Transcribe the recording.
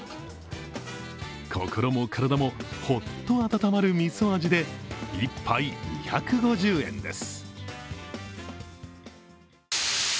心も体もほっと温まるみそ味で１杯２５０円です。